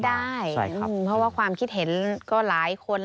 ได้เพราะว่าความคิดเห็นก็หลายคน